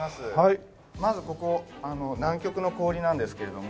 まずここ南極の氷なんですけれども。